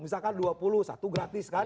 misalkan dua puluh satu gratis kan